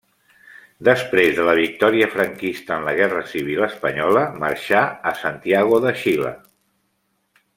Després de la victòria franquista en la guerra civil espanyola, marxà a Santiago de Xile.